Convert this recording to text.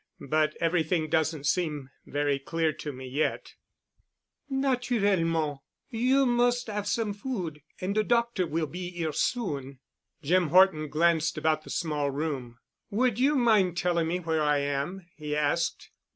But everything doesn't seem—very clear to me yet." "Naturellement. You mus' 'ave some food and de doctor will be 'ere soon." Jim Horton glanced about the small room. "Would you mind telling me where I am?" he asked.